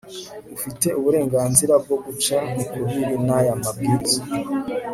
ufite uburenganzira bwo guca ukubiri n'aya mabwiriza